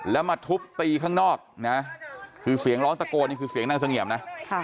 แล้วมาทุบตีข้างนอกนะคือเสียงร้องตะโกนนี่คือเสียงนางเสงี่ยมนะ